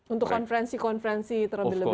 untuk konferensi konferensi terlebih lebih ya pak ya